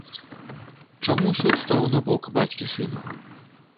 Чаму суд стаў на бок бацькі сына?